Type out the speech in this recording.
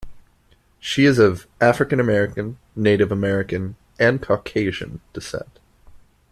She is of African American, Native American, and Caucasian descent.